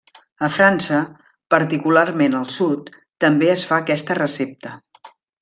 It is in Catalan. A França, particularment al sud, també es fa aquesta recepta.